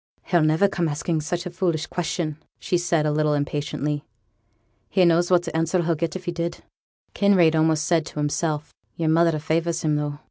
'He'll niver come asking such a foolish question,' said she, a little impatiently; 'he knows what answer he'd get if he did.' Kinraid said, almost as if to himself, 'Yo'r mother favours him though.'